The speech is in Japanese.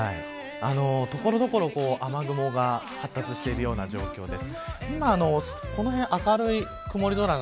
所々雨雲が発達しているような状況です。